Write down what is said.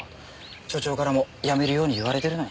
所長からもやめるように言われてるのに。